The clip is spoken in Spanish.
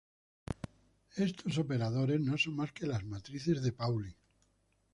Estos operadores no son más que las matrices de Pauli.